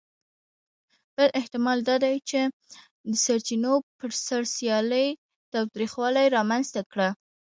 بل احتمال دا دی، چې د سرچینو پر سر سیالي تاوتریخوالي رامنځ ته کړه.